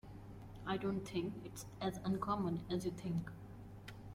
I don't think it's as uncommon as you think.